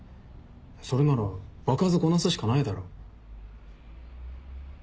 それなら場数こなすしかないだろ。